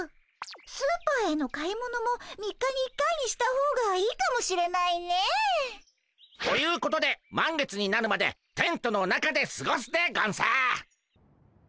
スーパーへの買い物も３日に１回にしたほうがいいかもしれないね。ということで満月になるまでテントの中ですごすでゴンス。